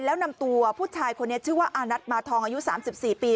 แล้วนำตัวผู้ชายคนนี้ชื่อว่าอานัทมาทองอายุ๓๔ปี